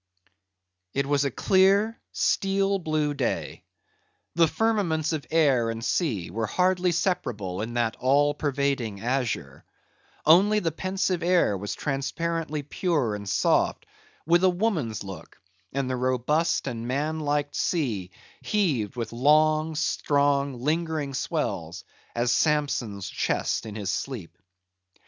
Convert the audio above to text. It was a clear steel blue day. The firmaments of air and sea were hardly separable in that all pervading azure; only, the pensive air was transparently pure and soft, with a woman's look, and the robust and man like sea heaved with long, strong, lingering swells, as Samson's chest in his sleep.